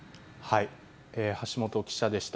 橋本記者でした。